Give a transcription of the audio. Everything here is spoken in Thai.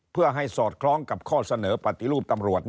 เพื่อให้สอดคล้องกับข้อเสนอปฏิรูปตำรวจ